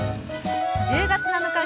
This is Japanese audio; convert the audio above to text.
１０月７日